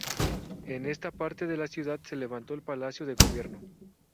En esta parte de la ciudad se levantó el palacio de gobierno.